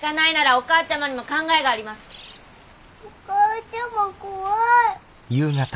お母ちゃま怖い。